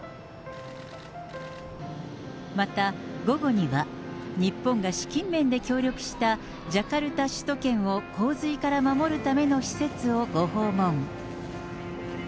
また、午後には日本が資金面で協力したジャカルタ首都圏を洪水から守るための施設をご訪問。